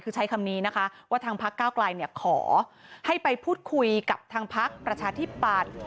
คือใช้คำนี้นะคะว่าทางพักเก้าไกลขอให้ไปพูดคุยกับทางพักประชาธิปัตย์